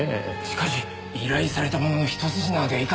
しかし依頼されたものの一筋縄ではいかなかった。